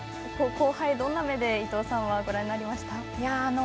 後輩、どんな目で伊藤さんはご覧になりましたか。